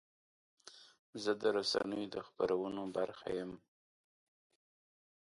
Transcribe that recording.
زه د رسنیو د خپرونو برخه یم.